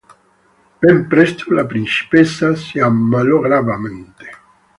Ben presto la principessa si ammalò gravemente.